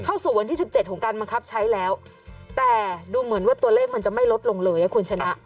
เข้าสู่วันที่๑๗ของการบังคับใช้แล้วแต่ดูเหมือนว่าตัวเลขมันจะไม่ลดลงเลยนะคุณชนะ